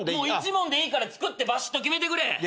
１問でいいから作ってバシッと決めてくれ。